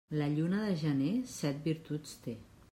La lluna de gener set virtuts té.